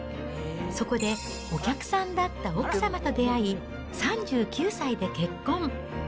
そこで、お客さんだった奥様と出会い、３９歳で結婚。